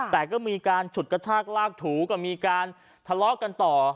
แต่ก็มีการฉุดกระชากลากถูก็มีการทะเลาะกันต่อ